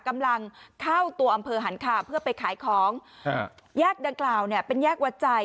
กำลังเข้าตัวอำเภอหันคาเพื่อไปขายของแยกดังกล่าวเนี่ยเป็นแยกวัดใจ